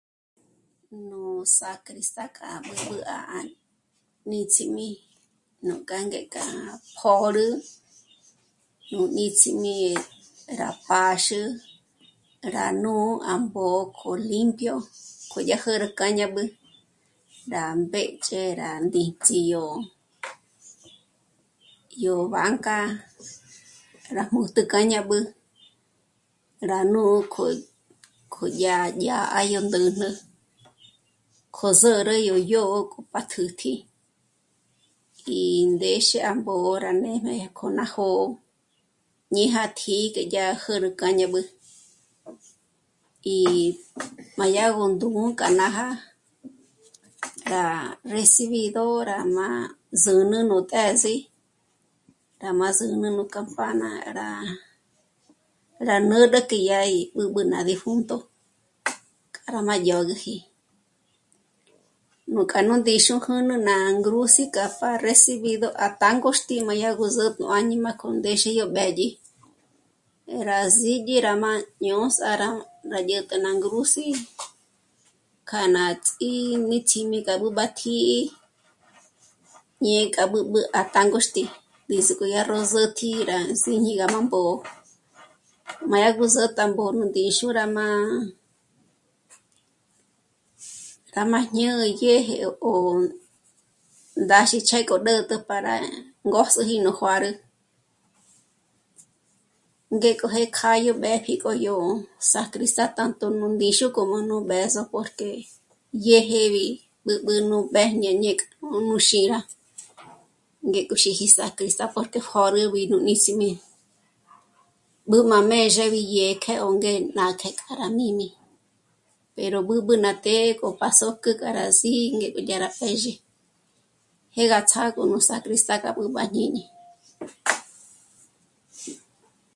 Nú sacristán k'a b'ǚb'ü à níts'imi nuk'a ngék'a pjö̌rü nó nítsjimi rá pǎxü, rá nú à mbó'o k'o limpio k'o yá jä̌'ä ró k'a ñā́b'ü, rá mbéch'e, rá ndíts'i yó, yó banca, rá mújtju k'a ñā́b'ü, rá nǔk'o, k'o yá dyá à yó ndä̂jnä, k'o zǘrü yó dyǒ'o k'o patjǘtji, í ndéxe à mbó'o rá nê'me k'o ná jó'o ñe já tǐ'i k'e ya jôrü k'a ñā́b'ü. Í má yá gó ndú'u k'a nája, gá recibido rá má zǚnü nú të̌s'i, rá má zǚnü nú campana rá, rá nä́rä k'e yá í b'ǚb'ü ná difunto k'a má dyö́güji. Nuk'a nú ndíxu júnu ná ngrús'i k'a pjá'a recibido à tângoxti má yá gó zǚ'ü nú áñima k'o ndéxe yó b'édyi, rá sídyi rá mâ'a ñò'o sâra, rá dyä̀t'ä ná ngrús'i k'a ná ts'íníts'imi k'a b'ǚb'ü tǐ'i ñe k'a b'ǚb'ü à tângoxti, ndízik'o yá ró zǘ'ü tǐ'i rá síñi gá má mbó'o, má yá gó zǘ'ü tá ngó nú ndíxu rá mâ'a... rá mâ'a ñä̌'ä í dyéje 'ò'o ndá xìchje k'o ndä̌t'ä para ngö́s'üji nú juǎrü. Ngé k'o jé kjâ'a yó b'ë́pji k'o yó sacristán tanto nú ndíxu como nú b'ë̌zo porque dyéjebi b'ǚb'ü nú mbéjñe ñe k'o nú xíra, ngé k'o xíji sacristán porque jôd'übi nú níts'imi b'ǘ má mězhebi dyè'e k'e ó ngé nà k'é'e k'a rá mími pero b'ǚb'ü ná të́'ë k'o pa só'kü k'a rá sí'i ngé k'o yá rá pjézhi, jé gá ts'âgo nú sacristán gá b'ǚb'ü à jñíñi